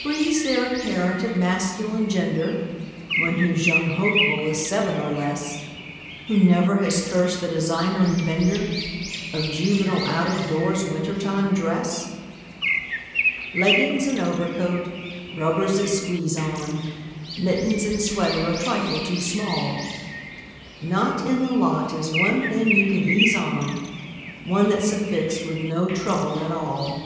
Breathes there a parent of masculine gender, One whose young hopeful is seven or less, Who never has cursed the designer and vender Of juvenile out of doors winter time dress? Leggings and overcoat, rubbers that squeeze on, Mittens and sweater a trifle too small; Not in the lot is one thing you can ease on, One that's affixed with no trouble at all.